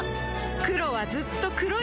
黒はずっと黒いまま